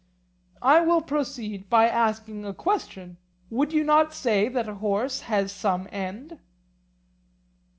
I will proceed by asking a question: Would you not say that a horse has some end?